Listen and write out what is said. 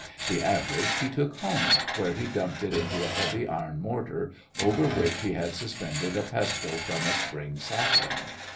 The "average" he took home, where he dumped it into a heavy iron mortar, over which he had suspended a pestle from a springy sapling.